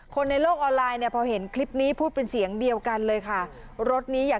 ในโลกออนไลน์เนี่ยพอเห็นคลิปนี้พูดเป็นเสียงเดียวกันเลยค่ะรถนี้อย่า